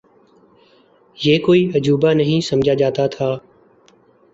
یہ کوئی عجوبہ نہیں سمجھا جاتا تھا۔